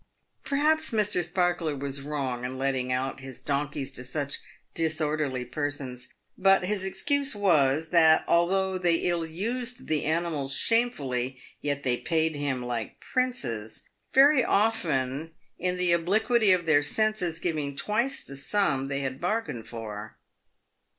Perhaps Mr. Sparkler was wrong in letting out his donkeys to such disorderly persons, but his excuse was, that, although they ill used the animals shamefully, yet they paid him like princes — very often in the obliquity of their senses giving twice the sum they had bargained for.